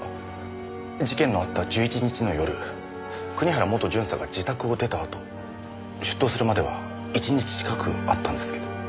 事件のあった１１日の夜国原元巡査が自宅を出たあと出頭するまでは１日近くあったんですけど。